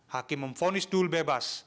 hakim memfonis dul bebas